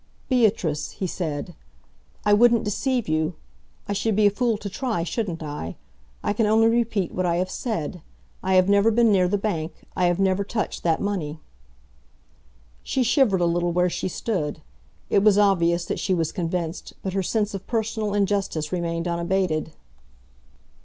"Beatrice," he said, "I wouldn't deceive you. I should be a fool to try, shouldn't I? I can only repeat what I have said. I have never been near the bank. I have never touched that money." She shivered a little where she stood. It was obvious that she was convinced, but her sense of personal injustice remained unabated.